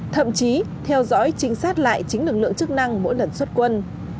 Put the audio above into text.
thậm chí theo dõi trinh sát lại chính lực lượng chức năng mỗi lần xuất quân